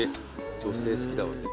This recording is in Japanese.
女性好きだわ。